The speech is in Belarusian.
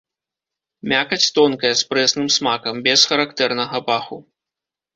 Мякаць тонкая, з прэсным смакам, без характэрнага паху.